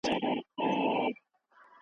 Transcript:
هغه وویل چې د باغ میوې وړیا دي.